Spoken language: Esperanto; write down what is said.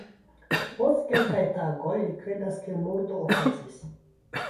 Post kelkaj tagoj, li kredas ke murdo okazis.